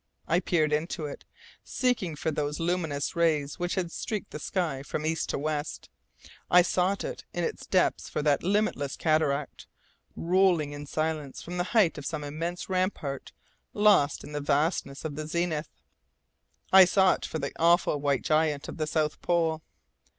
I peered into it, seeking for those luminous rays which had streaked the sky from east to west! I sought in its depths for that limitless cataract, rolling in silence from the height of some immense rampart lost in the vastness of the zenith! I sought for the awful white giant of the South Pole!